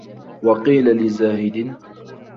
وَقِيلَ لِزَاهِدٍ